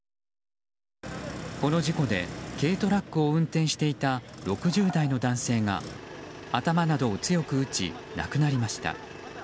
この事故で軽トラックを運転していた６０代の男性が頭などを強く打ち亡くなりました。